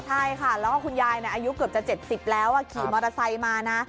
ใช่ค่ะแล้วก็คุณยายอายุเกือบจะ๗๐แล้วขี่มอเตอร์ไซค์มานะ